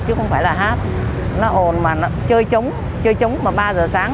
chứ không phải là hát nó ồn mà nó chơi chống chơi trống mà ba giờ sáng